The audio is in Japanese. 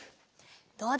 どうだ？